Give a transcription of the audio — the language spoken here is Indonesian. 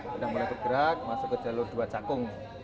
sudah mulai bergerak masuk ke jalur dua cakung